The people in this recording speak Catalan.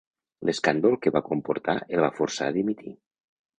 L'escàndol que va comportar el va forçar a dimitir.